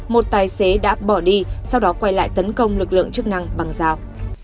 một tài xế đã bỏ đi sau đó quay lại tấn công lực lượng chức năng bằng dao